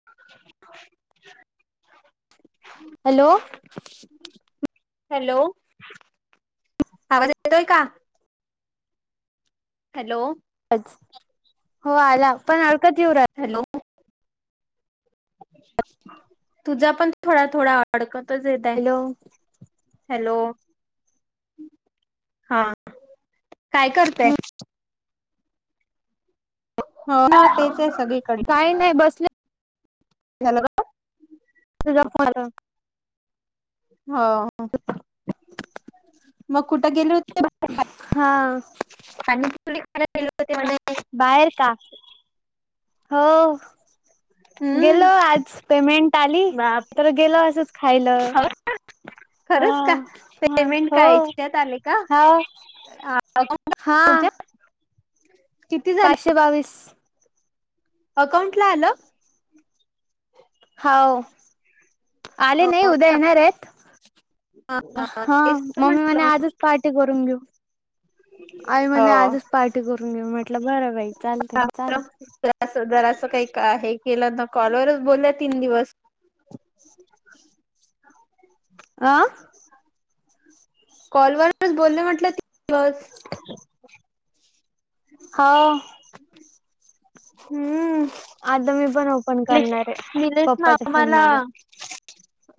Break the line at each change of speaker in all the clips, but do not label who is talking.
[unintelligible]
Hello.
Hello, आवाज येतोय का? हॅलो.
[inaudible]
हॅलो. तुझा पण थोडा थोडा अडकतच
हॅलो
हॅलो. हा काय करतेय? हो ना तेच आहे
काही नाही बसले
ह्याला का?
तुझा फोन आला होता.
हा.. मग कुठं गेले होते ते बाहेर.
हा
खालील [unintelligible]
बाहेर का? हो. गेलो
हम्म
आज, पेमेंट आली.
बाप
तर गेलो असंच खायला.
[inaudible]
हा. हा..
पेमेंट
हो
काय याच्यात आले का
हा. हा.
तुमच्या किती झालं?
ते बावीस.
अकाऊंटला आलं?
हावो, आले नाही
हो
उद्या
का
येणार आहेत. हा,
तेच तर
मम्मी म्हणे
म्हटलं
आजच पार्टी करून घेऊ. आई म्हणे आजच पार्टी करून घेऊ, मी म्हटलं बरं. बाई चालते चाल
जरासं [unintelligible] जरासं जरासं काही का हे केलं ना, कॉलवरच बोलल्या तीन दिवस.
आ?
कॉलवरच बोलले म्हटलं, तीन दिवस.
हावो.
हम्म....
आता मी पण ओपन
[unintelligible]
करणार आहे
निलेश ना
पप्पाच्या फोन
आम्हाला
मध्ये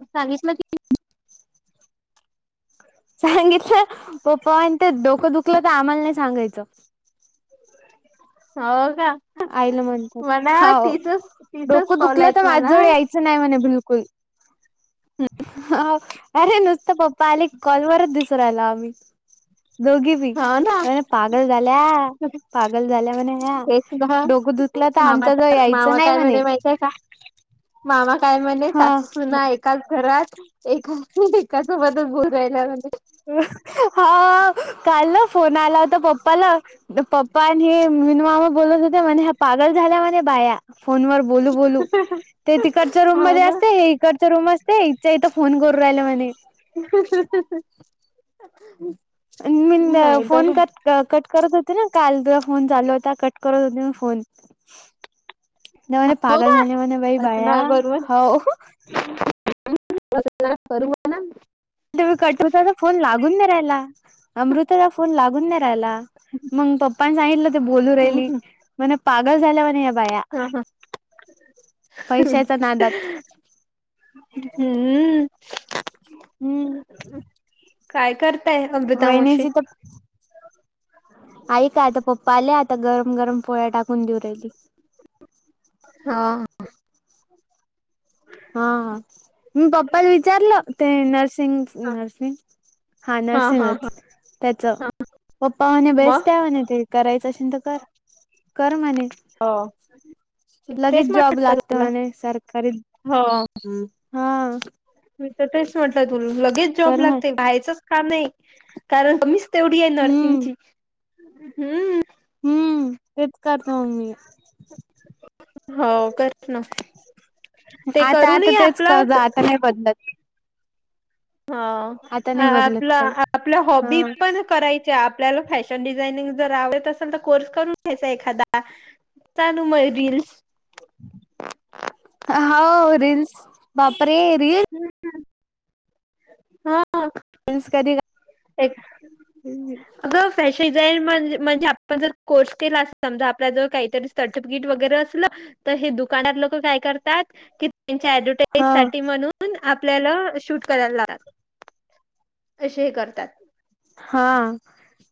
सांगितलं की
सांगितलं. पप्पा म्हणतेत डोकं दुखलं तर, आम्हाला नाही सांगायचं.
हो का?
आईला म्हणतात,
म्हणा
हावो
तिचच तिचच
डोकं
कॉल
दुखलं तर
आहेत म्हणा
माझजवळ यायचं नाही म्हणे बिलकुल. हं.. हा.. आरे नुसतं पप्पा आले की, कॉलवरच दिसू राहिलो आम्ही. दोघी बी?
हो ना
म्हणे पागल झाल्या, पागल झाल्या म्हणे या.
तेच मामा
यायचं
मामा
नाही
काय
म्हणे.
म्ह माहि मामा काय म्हणे सासु
हा
सुना एकाच घरात एका एकासोबतच बोल राहिल्या म्ह
हा काल फोन आला होता पप्पाला पप्पा आणि हे मीनमामा बोलत होते म्हणे ह्या पागल झाल्या म्हणे बाया फोनवर बोलू बोलू ते तिकडच्या रूम
हो
मध्ये
ना
असते हे इकडच्या रूम असते इच्या इथं फोन करू राहिलं म्हणे. मंद
नाही तर
फोन कर कट करत होते ना काल फोन चाल होता कट करत होते म फोन नाही म्ह
हो
पागल
का
झाले म्ह बाई
असं
बाया
ना बरोबर
हो
करू ना,
तुम्ही कटुताचा फोन लागून नाही राहिला अमृताचा फोन लागून नाही राहिला मग पप्पानी सांगितलं ते बोलू
हम्म
राहिली
हम्म
म्हणे पागल झाल्या म्हणे या बाया
हा हा
पैशाच्या नादात
हम्म...
हम्म.
काय करताय हो?
वहीनी जिथं आई काय आता, पप्पा आले आता गरम-गरम पोळ्या टाकून देऊ राहिली.
हा
हा हा मी पप्पाला विचारलं ते नर्सिंग नर्सिंग हा
हा हा
नर्सिंगच त्याच पप्पा म्हणे
मग
बेस्ट आहे म्हणे ते करायचं असेल तर कर कर म्हणे
हो तेच
लगेच जॉब
म्हटलं
लागते
तुला
म्हणे सरकारी
हो
हा
मी तर तेच म्हटलं तु लगेच जॉब
कर म्हणे
लागते बायचंच का नाही कारण ममीच तेवढी आहे
हम्म
नर्सिंगची हम्म
हम्म तेत तेच करतो आम्ही
हो करत ना ते
आता
करूनही
आता तेच करत
आपलंच
आता नाही बदलत
हा
आता नाही बदलत
आपला
काही
आपल्या हॉबी पण कराय आपल्याला फॅशन डिझायनिंग जर आवडत असेल तर कोर्स करून घ्यायचा एखादा चालू मय रील्स
होा रिन्स बापरे र
हम्म हा हा
निष्करी राह
एक
हम्
अगं फॅशन डिझानर म्हणजे आपण जर कोर्स केला अस समजा आपल्या जर काहीतरी सर्टिफिकेट वगैरे असलं तर हे दुकानात लोक काय करतात की त्यांची आयडेंटि
हा
साठी म्हणून आपल्याला शूट करायला लाग असे हे करतात
हा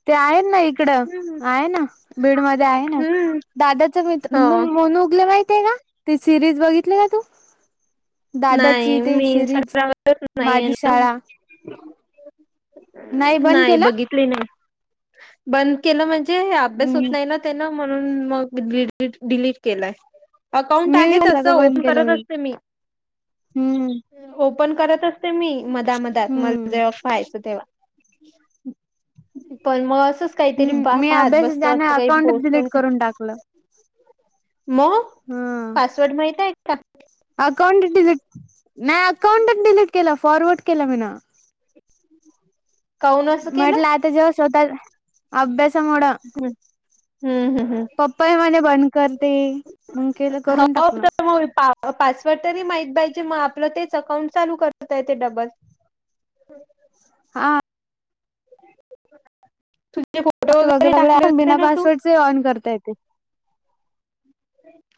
ते आहेत ना इकडं
हम्म.
आहे ना बीड मध्ये आहे ना
हम्म
दादाचा मित्र
हो
म्हण उगले माहिितय का ते सिरीज बघितली का तू
नाही
दादाची ते
मी
सिरीज
इंस्टाग्रामवरच नाहीये
माझी
ना.
शाळा बंद
नाही
केला
बघितली नाही बंद केलं म्हणजे अभ्यास होत नाही ना ना म्हणून मग डिलीट केलाय अकाउंट
मी
आहे तसं
सगळं बंद
ओपन
केलं
करत असते मी
हम्म
ओपन करत असते मी मधा मधात म
हम्म
जेव्हा फायचं तेव्हा पण मग असंच काहीतरी
हम्म मी
पाहत
अभ्यास
बसत
जाण
असं काही
अकाउंट
गोष्ट
डिलीट
वगैरे
करून टाकलं
मग
हम
पासवर्ड माहित आहे का
अकाउंटटी नाही अकाउंट डिलीट केला फॉरवर्ड केला मी ना
काऊन असं केलं
म्हटलं आता जेव्हा स्वतः अभ्यासामुळे
हम्म हम्म हम्म हम्म
पप पय म्हणे बंद करते मग केलं करून
हो
टाकलं
तर मग पा- पासवर्ड तरी माहीत पाहिजे मग आपलं तेच अकाउंट चालू करत आहे ते डबल
हा
तुझे फोटो वगैरे
वगर
टाकले
वग
होते
बिना पासवर्ड ऑन करता येते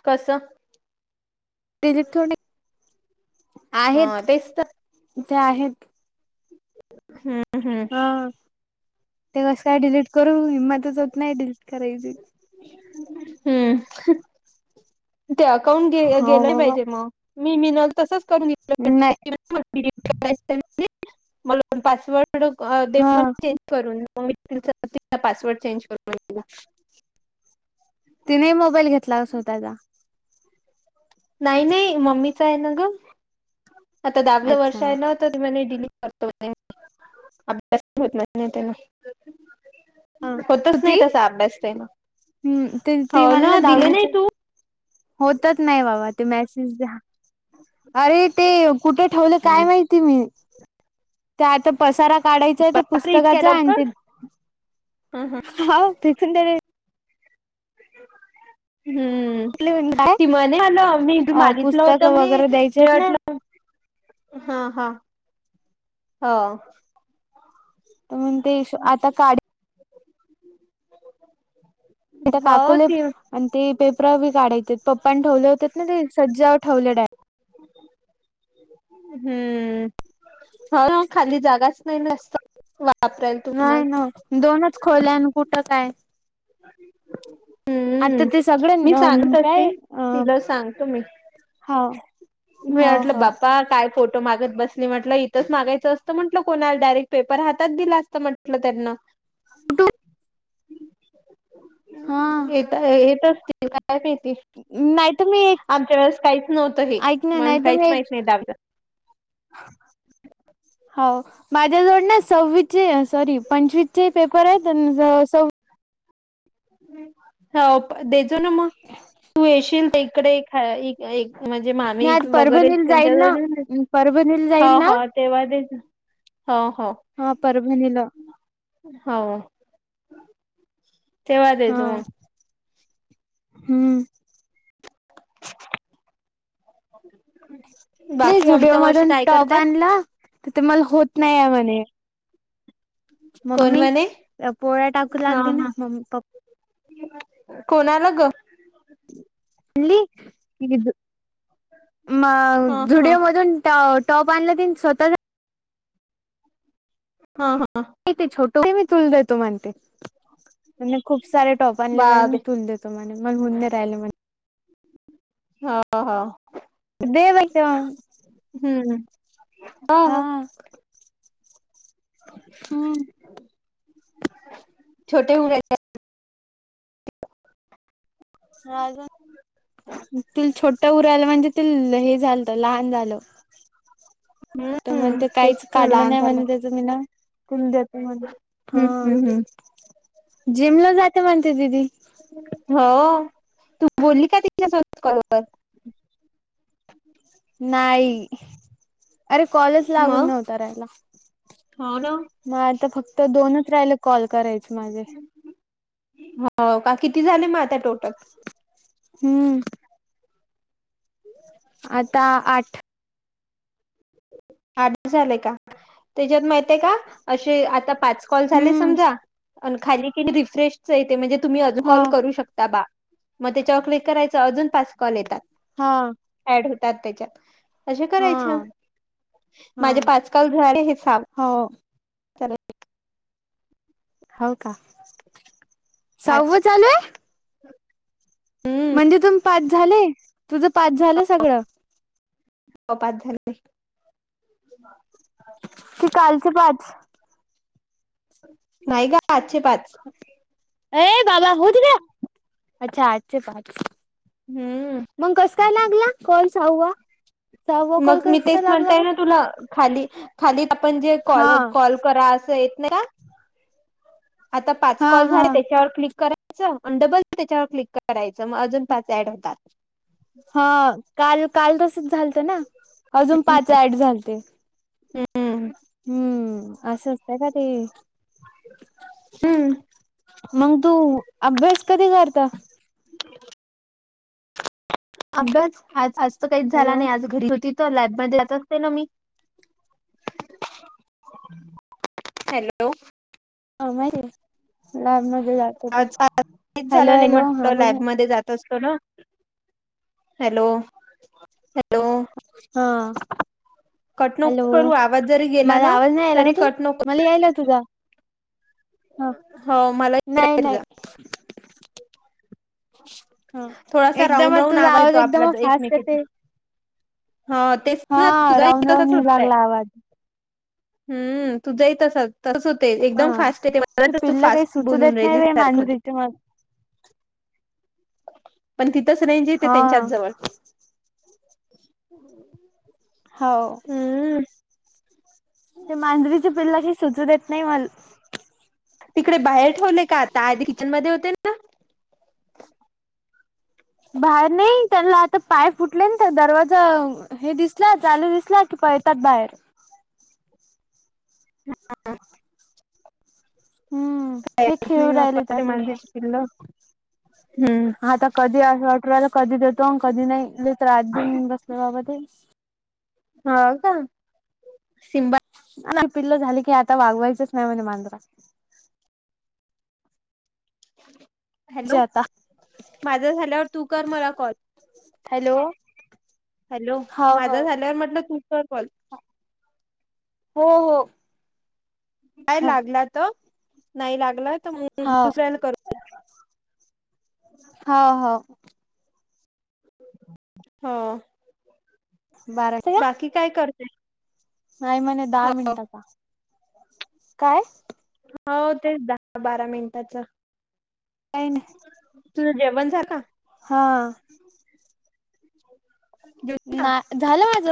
कस
थोडी आहेत
ह तेच तर
ते आहेत
ह!
हा.. तेव्हाच काय डिलीट करू, हिंमतच होत नाई डिलीट करायची.
हम्म. ते अकाउंटे गे
हो
गेलंय
बाबा
पाहिजे म मी मिनल तसंच करून
नाही
घेतलं मला पासवर्ड दे
हा
म्हण करून म मी तिचा पासवर्ड चेंज करून दिला.
तिने मोबाईल घेतला स्वतःला
नाही नाही. मम्मीचा ए ना ग. आता दागलं
अच्छा
वर्ष ए
हा
ना डिलीट करतो अभ्यास होत नाही त्यांना होतच नाही तसा अभ्यास ते.
हम्. ते ते म्हणलं दाहावीच,
तू
होतच नाही बाबा ते मॅसेज द्या. अरे ते कुठे ठेवले काय माहिती मी. त्या आता पसारा काढायचं ए ते
बापरे इतक्या
पुस्तकाच्या आन
लवकर
ते
हं हं
हो तेथून त्या
हम्म.
द्यायला
ती म्हणे आलं मी तू
अ
मागितलं होत
पुस्तकं
म्हणे
वगैरे द्यायचे
मी
आहेत ना
वाटलं ह हा. हो.
अन् ते इ आता काड त्या
हो
काकूले
ती
अन् ते पेपरं बी काढायचे पप्पान ठेवले होते ना ते सज्जावर ठेवलं डाय
हम्म. हा खाली जागाच नाई जास्त. वापरल
नाही ना. दोनच खोल्या अन कुठं काय.
ह
आता ते सगळं न काय अ..
तिला सांगतो मी
हा..
मी अटलं बाप्पा काय फोड तो मागत बसली म्हटलं, इथंच मागायचं असतं म्हटलं कोणाला डायरेक पेपर हातात दिला असता म्हटलं त्यांना. ह
हा
हम्. येत येत असतील काय माईती.
नाही तर मी एक
आमच्या वेळेस काहीच नव्हतं हे.
ऐक ना
मण
नाही तर
काहीच
मी एक
माहित नाही दबज
हाव, माझ्या जवळ ना सव्वीसचे सॉरी पंचवीसचे पेपर एत अन् सव
हो, देचो ना मग. तू येशील इकडे खा इ एक म्हणजे
मी
मामी
आज
वगरे
परभणीला जाईल
त्यांच्या
ना
जव
परभणीला जाईल
हो
ना
हा तेव्हा तेच. हो हो.
हा, परभणीला.
हो. तेव्हा देजो
हा.
मग
हम्म.
[inaudible]
नाई झुडिओ
अमता मावशी
मधून
काय
टॉप
करताय
आणला, त मला होत नाही ये म्हणे.
कोण
मम्मी,
म्हणे
या पोळ्या टाकू
हा
लागली ना
हा
म पप्
कोणाला ग?
म्हणली, क मा..
हा हा
झुडीओ मधून टॉ टॉप आणला तीन स्वतः
हा हा..
ते छोटु मी तुल देतो म्हणते. म्हणे खुप सारे टॉप आणले म्हणे मी
बापरे
तुल देतो. मन मऊन राहिलेय म्हणे.
हा हा हा..
देवच
ह ह.
हा. हम्म.
[inaudible]
अजून. तर
हम्म
म्हणते
तेच
काहीच
ना
काढलं
लहान
नाही
झालं
म्हण त्याच मी न [unintelligible]
हम्म
हा,
हम्म हम्म
जिमला जाते म्हणते दिदी‌.
हो तू बोलली का तिच्या सोबत.
नाही, अरे कॉलेज लागून
मग
नव्हत राहायला.
हो ना
मग आता फक्त दोनच राहिले कॉल करायचे माझे.
हो का किती झाले मग आता टोटल.
हम्म. आता आठ.
आदि झालंय का, त्याच्यात माहितय का असे आता पाच कॉल झाले
हम्म
समजा खाली किनी रिफ्रेश व्हायचेत म्हणजे तुम्ही अजून
हा
कॉल करू शकता बा मग त्याच्यावर क्लिक करायच अजून पाच कॉल येतात.
हा.
ऍड होतात त्याच्यात, असं करायचं.
हा हा
माझे पाचकाँल झा हे सां
हो. हो का,
अच्छा
साव्व चाल
हम्म.
म्हणजे तुम् पाच झाले तुझं पाच झालं सगळं.
कपात झाली.
कि कालचे पाच.
नाही गं आजचे पाच.
अच्छा आजचे पाच.
हम्म.
मग कस काय लागला कॉल सहावा. सहावा कॉल
मग मी
कस
तेच
काय लागला
म्हणताय
मग
ना तुला. खाली खाली आपण जे कॉल
हा
कॉल करा असं येत ना का? आता पाच
हा
कॉल
हा
झाले त्याच्यावर क्लिक करा डबल त्याच्यावर क्लिक करायचं मग अजून पाच ऍड होतात.
हा काल काल तसच झालत ना अजून पाच अँड झालते.
हम्म.
हम्म असं असतंय का ते.
हम्म.
मग तू अभ्यास कधी करता.
अभ्यास आज आज तर काहीच झाला
हॅलो
नाही आज घरी होती. त लॅबमध्ये जात असते ना मी. हॅलो.
[unintelligible]
च
हॅलो
झालं नाही
हॅलो हा
म्हटलं
बोल
लॅब मध्ये जात असतो ना. हॅलो. हॅलो
हा. हॅलो
कटनोक करू आवाज जरी गेला
माझा
ना
आवाज नाही यायला का
तरी
तू
कटनोक
मला यायला तुझा. ह
हो मला येत
नाही
आहे तुझा
नाही. ह
थोडासा राऊंड
एकदमच
राऊंड
तुझा आवाज
येतो आपला
एकद फास्ट येते.
हा तेच
हा
ना तुझा
राऊंड राऊंड येऊ
[unintelligible]
लागला आवाज
हम्म तू जाईतसच. तस होते
हा
एकदम फास्ट
हे
आहे ते
पिल्ल काही
फास्ट
सुचू
बोलून
देत नाही
राहिलीस
रे
सारखं हो
मांजरीचे
[unintelligible]
मग
पण तिथंच नाहीहिजे ते
हा
त्यांच्यात जवळ हम्.
हो. ते मांजरीच्या पिल्लाशी सुचू देत नाही मला.
तिकडे बाहेर ठेवले का आता आ ते किचनमध्ये होते ना.
बाहेर नाही त्याला आता पाय फुटले ना दरवाजा हे दिसलं चालू दिसला की पळतात बाहेर
हा.
हम्म हे
काच
खेळू
नाही
राहिले
बा्पा
आता
माझझे
इथं
शिकिल्ल [unintelligible]
आता कधी अस वाटला कधी देतो, कधी नाही तर रात देऊन बसल्या बाबा.
हा का सिंबा [unintelligible]
नाही पिल्ल झाली की आता वागवायचच नाही म्हणजे मांजरा जे
हॅलो
आता
माझा झाल्यावर तू कर मला कॉल.
हॅलो.
हॅलो
हाव
माझा
हाव
झाल्यावर म्हटलं तू कर कॉल.
हो हो.
काय
हं
लागला तर नाही लागला तर मग दुसऱ्याला कर.
हो हो.
हा.
बारा [unintelligible]
काय करते.
नाही म्हणे दहा मिनिटाचा काय
हो तेच दहा बारा मिनिटाचं
का ना [unintelligible]
तुझं जेवण सारख
हा.
जेवली का?
नाही झालं माझं